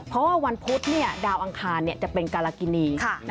เพราะว่าวันพุธดาวอังคารจะเป็นการากินี